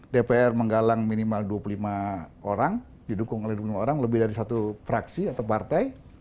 dpr menggalang minimal dua puluh lima orang didukung oleh dua puluh orang lebih dari satu fraksi atau partai